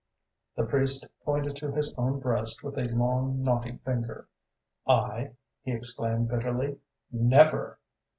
'" The priest pointed to his own breast with a long knotty finger. "I?" he exclaimed bitterly, "never!"